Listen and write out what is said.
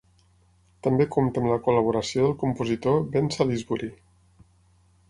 També compta amb la col·laboració del compositor Ben Salisbury.